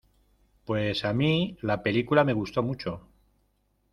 Pues a mí, la película me gustó mucho.